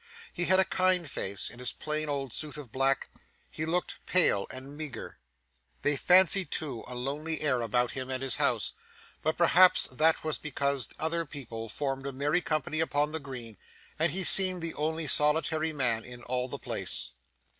He had a kind face. In his plain old suit of black, he looked pale and meagre. They fancied, too, a lonely air about him and his house, but perhaps that was because the other people formed a merry company upon the green, and he seemed the only solitary man in all the place.